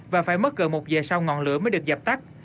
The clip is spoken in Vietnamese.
và phải mất gần một giờ sau ngọn lửa mới được dập tắt